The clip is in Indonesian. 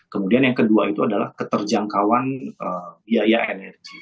kemudian yang kedua itu adalah keterjangkauan biaya energi